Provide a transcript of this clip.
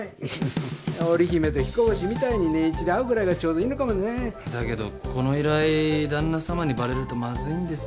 織姫とひこ星みたいに年１で会うぐらいがちょうどいいのかもね。だけどこの依頼旦那様にバレるとまずいんですよね。